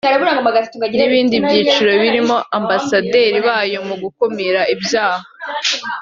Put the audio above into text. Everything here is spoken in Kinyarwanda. n’ibindi byiciro birimo Abambasaderi bayo mu gukumira ibyaha